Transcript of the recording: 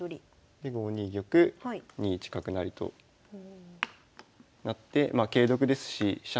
で５二玉２一角成となってま桂得ですし飛車